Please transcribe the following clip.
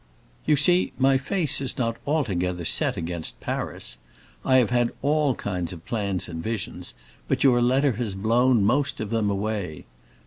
You see, my face is not altogether set against Paris. I have had all kinds of plans and visions, but your letter has blown most of them away.